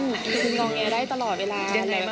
คืองอแงได้ตลอดเวลา